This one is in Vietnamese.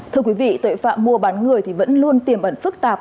thưa quý vị tội phạm mua bán người vẫn luôn tiềm ẩn phức tạp